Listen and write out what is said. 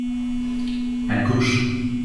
À gauche.